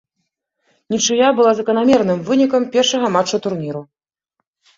Нічыя была заканамерным вынікам першага матчу турніру.